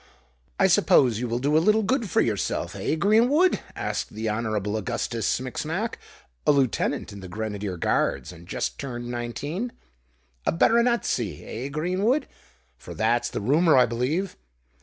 "I suppose you will do a little good for yourself—eh, Greenwood?" asked the Honourable Augustus Smicksmack—a lieutenant in the Grenadier Guards, and just turned nineteen: "a baronetcy—eh, Greenwood? for that's the rumour, I believe?"